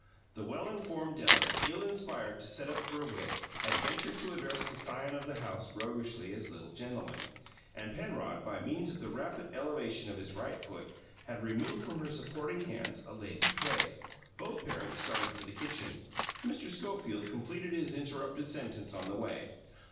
The well informed Della, ill inspired to set up for a wit, had ventured to address the scion of the house roguishly as "little gentleman," and Penrod, by means of the rapid elevation of his right foot, had removed from her supporting hands a laden tray. Both parents, started for the kitchen, Mr. Schofield completing his interrupted sentence on the way.